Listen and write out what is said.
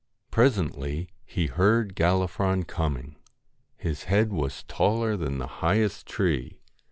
Presently he heard Gallifron coming. His head was taller than the highest tree.